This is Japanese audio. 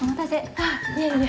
あぁいえいえ。